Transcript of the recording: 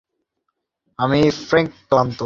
আমি স্রেফ ক্লান্ত।